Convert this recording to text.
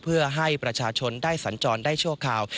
เพื่อให้ประชาชนได้สัญจรได้ชั่วคราว